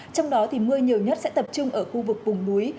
trong đó mưa nhiều nhất sẽ tập trung ở khu vực vùng núi